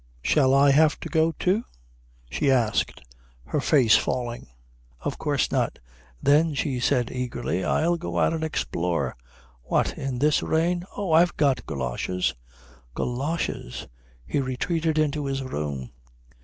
Shall I have to go, too?" she asked, her face falling. "Of course not." "Then," she said eagerly, "I'll go out and explore." "What, in this rain?" "Oh, I've got goloshes." Goloshes! He retreated into his room.